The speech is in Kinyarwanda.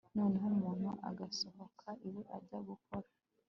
noneho muntu agasohoka iwe ajya gukora